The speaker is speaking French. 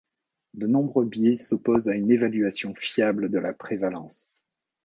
De nombreux biais s'opposent à une évaluation fiable de la prévalence.